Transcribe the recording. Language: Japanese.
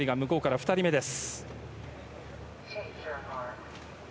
画面右から２人目です。